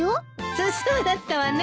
そっそうだったわね。